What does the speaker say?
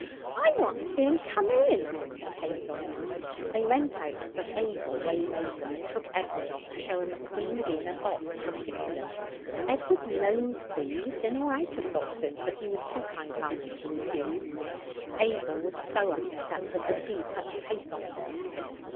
'I want to see 'em come in,' said Hazel. They went out, but Abel waylaid them, and took Edward off to show him a queen bee in a box from Italy. Edward loathed bees in or out of boxes, but he was too kind hearted to refuse. Abel was so unperceptive that he touched pathos.